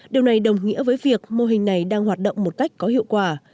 điều này đồng nghĩa với việc mô hình này đang hoạt động một cách có hiệu quả